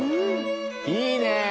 いいね！